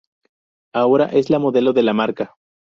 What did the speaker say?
Ahora es la modelo de la marca.